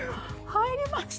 入りました？